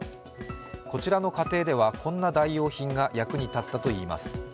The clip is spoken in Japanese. こちらの家庭では、こんな代用品が役に立ったといいます。